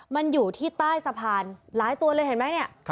มันอยู่ที่ใต้สะพานหลายตัวเลยเห็นไหมเนี่ย